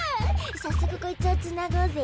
さっそくこいつをつなごうぜ。